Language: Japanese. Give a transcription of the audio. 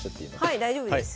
はい大丈夫です。